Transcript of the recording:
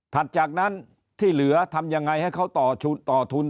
จากนั้นที่เหลือทำยังไงให้เขาต่อทุน